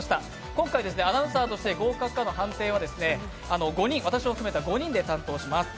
今回アナウンサーとして合格かの判定は私を含めた５人で担当します。